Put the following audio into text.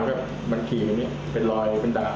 ฝากมันขี่แบบนี้เป็นรอยเป็นด่า